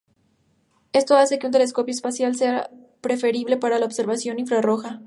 Esto hace que un telescopio espacial sea preferible para la observación infrarroja.